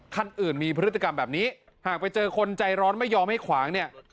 คันอื่นมีพฤติกรรมแบบนี้หากไปเจอคนใจร้อนไม่ยอมให้ขวางเนี่ย